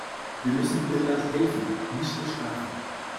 Wir müssen Irland helfen, nicht bestrafen.